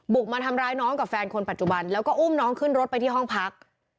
มาทำร้ายน้องกับแฟนคนปัจจุบันแล้วก็อุ้มน้องขึ้นรถไปที่ห้องพัก